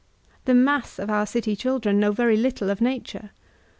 The mass of our city children know very little of nature.